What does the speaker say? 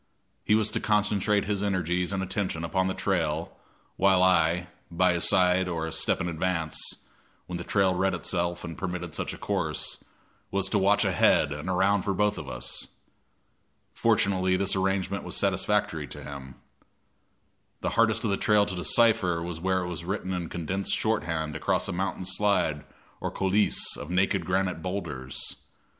He was to concentrate his energies and attention upon the trail, while I, by his side or a step in advance, when the trail read itself and permitted such a course, was to watch ahead and around for both of us. Fortunately this arrangement was satisfactory to him. The hardest of the trail to decipher was where it was written in condensed shorthand across a mountain slide or coulisse of naked granite boulders.